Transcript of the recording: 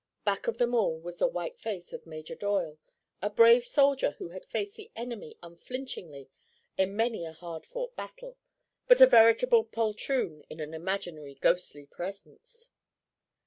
Back of them all was the white face of Major Doyle, a brave soldier who had faced the enemy unflinchingly in many a hard fought battle, but a veritable poltroon in an imaginary ghostly presence.